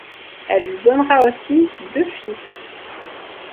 Elle lui donnera aussi deux fils.